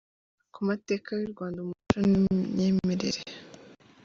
ku mateka y’u Rwanda, umuco n’imyemerere